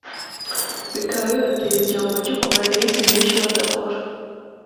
bikaba bibatera igihombo cyo kumara iminsi myinshi badakora